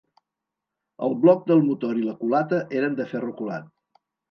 El bloc del motor i la culata eren de ferro colat.